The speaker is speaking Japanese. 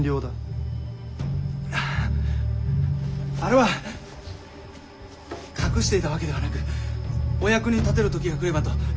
ああれは隠していたわけではなくお役に立てる時が来ればと今日までひそかに。